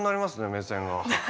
目線が。